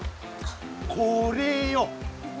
これよ。